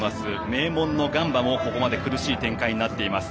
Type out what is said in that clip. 名門のガンバもここまで苦しい展開になっています。